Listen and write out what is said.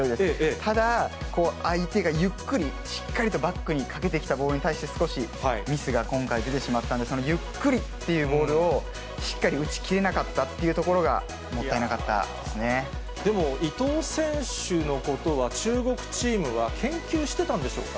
ただ、相手がゆっくり、しっかりとバックにかけてきたボールに対して、少しミスが今回出てしまったので、そのゆっくりっていうボールをしっかり打ち切れなかったというとでも、伊藤選手のことは中国チームは研究してたんでしょうか。